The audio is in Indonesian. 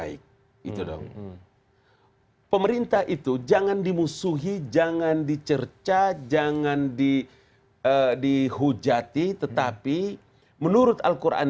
baik itu dong pemerintah itu jangan dimusuhi jangan dicerca jangan di dihujati tetapi menurut al quran